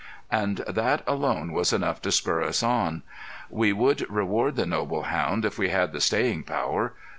And that alone was enough to spur us on. We would reward the noble hound if we had the staying power.